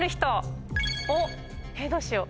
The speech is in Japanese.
おっどうしよう。